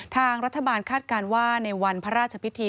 ทางรัฐบาลคาดการณ์ว่าในวันพระราชพิธี